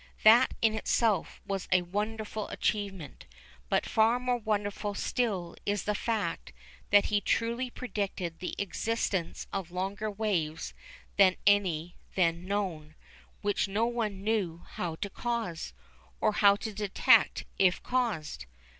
That in itself was a wonderful achievement, but far more wonderful still is the fact that he truly predicted the existence of longer waves than any then known, which no one knew how to cause, or how to detect if caused.